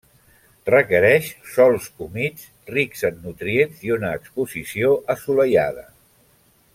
Requereix sòls humits, rics en nutrients i una exposició assolellada.